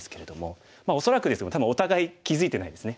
恐らくですけど多分お互い気付いてないですね。